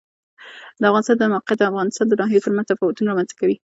د افغانستان د موقعیت د افغانستان د ناحیو ترمنځ تفاوتونه رامنځ ته کوي.